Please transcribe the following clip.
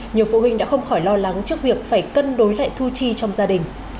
nhiều phụ huynh đã không khỏi lo lắng trước việc phải cân đối lại thu chi trong gia đình